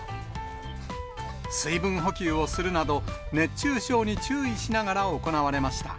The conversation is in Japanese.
水分補給をするなど、熱中症に注意しながら行われました。